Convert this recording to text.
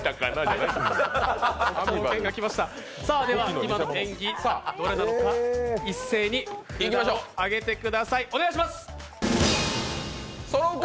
今の演技、どれなのか一斉に札を上げてください。